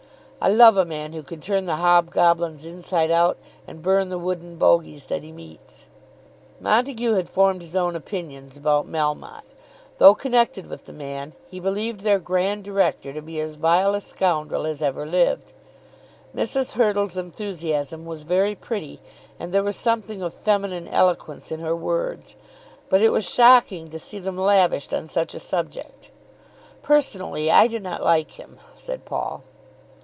I love a man who can turn the hobgoblins inside out and burn the wooden bogies that he meets." Montague had formed his own opinions about Melmotte. Though connected with the man, he believed their Grand Director to be as vile a scoundrel as ever lived. Mrs. Hurtle's enthusiasm was very pretty, and there was something of feminine eloquence in her words. But it was shocking to see them lavished on such a subject. "Personally, I do not like him," said Paul.